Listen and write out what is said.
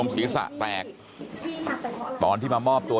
บอกแล้วบอกแล้วบอกแล้ว